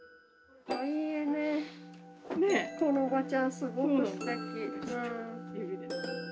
このおばちゃんすごくすてき。